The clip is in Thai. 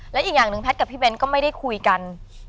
และอีกอย่างหนึ่งแพทย์กับพี่เบ้นก็ไม่ได้คุยกัน